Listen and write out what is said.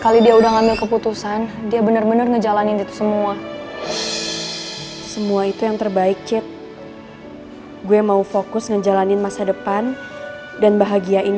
aduh gue keceplosan mati deh